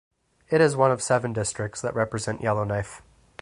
It is one of seven districts that represent Yellowknife.